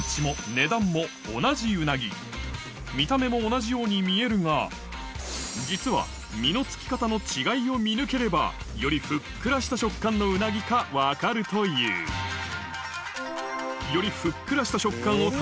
見た目も同じように見えるが実は身のつき方の違いを見抜ければよりふっくらした食感のうなぎか分かるというさぁ皆さん